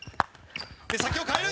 手先を変える。